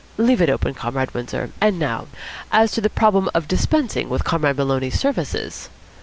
Leave it open, Comrade Windsor. And now, as to the problem of dispensing with Comrade Maloney's services?"